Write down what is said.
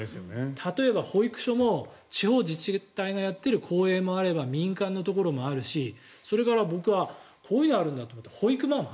例えば保育所も地方自治体がやっている公営もあれば民間のところもあるしそれから僕はこういうのがあるんだって保育ママ。